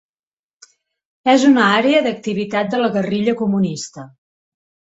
És una àrea d'activitat de la guerrilla comunista.